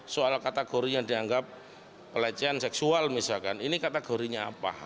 soal kategori yang dianggap pelecehan seksual misalkan ini kategorinya apa